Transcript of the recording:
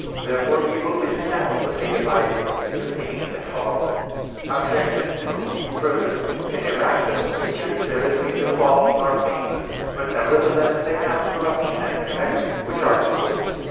Therefore evil is inadequately divided into pain and fault. Obj. 2: Further, in irrational creatures there is neither fault nor pain; but, nevertheless, they have corruption and defect, which are evils.